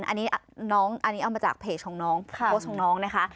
อันนี้เอามาจากเพจของน้องโพสต์ของน้องนะคะ